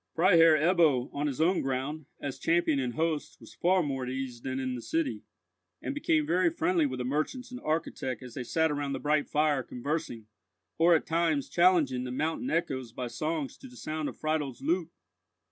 Freiherr Ebbo, on his own ground, as champion and host, was far more at ease than in the city, and became very friendly with the merchants and architect as they sat round the bright fire, conversing, or at times challenging the mountain echoes by songs to the sound of Friedel's lute.